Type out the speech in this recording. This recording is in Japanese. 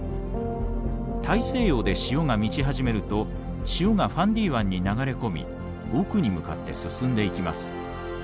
大西洋で潮が満ち始めると潮がファンディ湾に流れ込み奥に向かって進んでいきます。